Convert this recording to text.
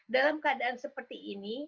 dalam keadaan seperti ini